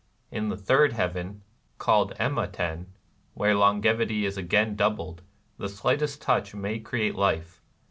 In the third heaven (called Emma Ten)^ where longevity is again doubled, the slightest touch may create life.